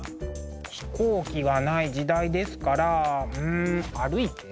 飛行機がない時代ですからうん歩いて？